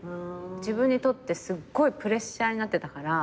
自分にとってすっごいプレッシャーになってたから。